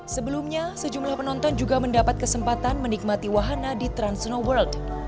sebelumnya sejumlah penonton juga mendapat kesempatan menikmati wahana di trans snow world